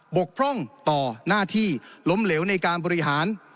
กพร่องต่อหน้าที่ล้มเหลวในการบริหาร